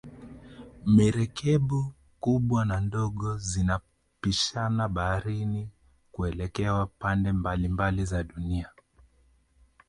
Merikebu kubwa na ndogo zinapishana baharini kuelekea pande mabalimabali za dunia